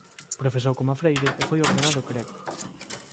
Profesou coma freire e foi ordenado crego.